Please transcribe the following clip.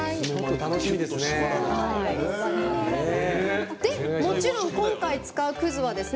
楽しみですね。